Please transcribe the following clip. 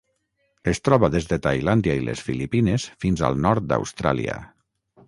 Es troba des de Tailàndia i les Filipines fins al nord d'Austràlia.